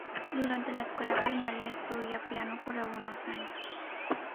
Durante la escuela primaria estudia piano por algunos años.